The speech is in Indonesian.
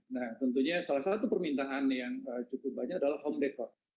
nah tentunya salah satu permintaan yang cukup banyak adalah home decord